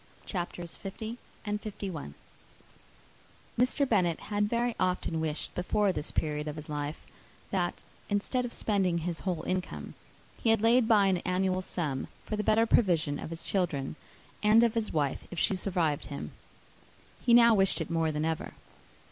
_]] CHAPTER L. Mr. Bennet had very often wished, before this period of his life, that, instead of spending his whole income, he had laid by an annual sum, for the better provision of his children, and of his wife, if she survived him. He now wished it more than ever.